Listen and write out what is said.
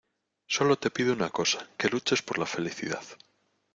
solo te pido una cosa, que luches por la felicidad